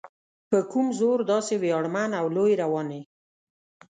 په کوم زور داسې ویاړمن او لوی روان یې؟